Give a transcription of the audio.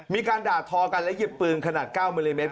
มีการด่าทอกันและหยิบปืนขนาด๙มิลลิเมต